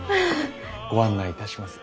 ご案内いたします。